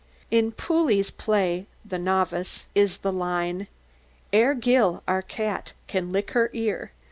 In Pules' play of "The Novice" is the line: Ere Gil, our cat, can lick her ear.